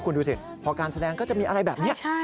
คุณดูสิพอการแสดงก็จะมีอะไรแบบนี้